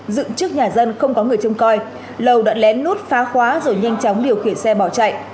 dựng trước nhà dân không có người chung coi lầu đoạn lén nút phá khóa rồi nhanh chóng điều khiển xe bỏ chạy